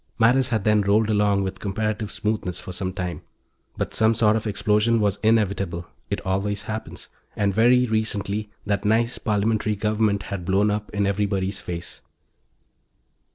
Matters had then rolled along with comparative smoothness for some time. But some sort of explosion was inevitable it always happens and, very recently, that nice Parliamentary government had blown up in everybody's face.